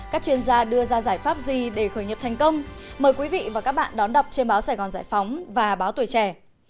các chuyên gia đưa ra giải pháp gì để khởi nghiệp thành công mời quý vị và các bạn đón đọc trên báo sài gòn giải phóng và báo tuổi trẻ